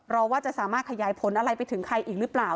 รอว่าจะสามารถขยายผลอะไรไปถึงใครอีกหรือเปล่า